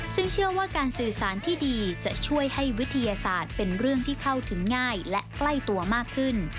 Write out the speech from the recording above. ซึ่งเชื่อว่าการสื่อสารที่ดีจะช่วยให้วิทยาศาสตร์เป็นเรื่องที่เข้าถึงง่ายและใกล้ตัวมากขึ้น